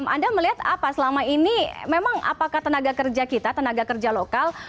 anda melihat apa selama ini memang apakah tenaga kerja kita tenaga kerja lokal